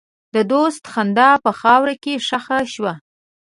د دوست خندا په خاوره کې ښخ شوه.